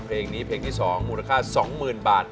เพลงนี้เพลงที่สองมูลค่าสองหมื่นบาท